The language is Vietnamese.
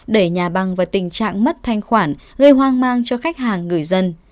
để nhà băng vào tình trạng mất thanh khoản gây hoang mang cho khách hàng người dân